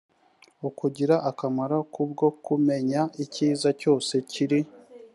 ukugira akamaro ku bwo kumenya icyiza cyose kiri